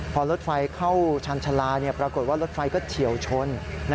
พอรถไฟเข้าชาญชาลาปรากฏว่ารถไฟก็เฉียวชน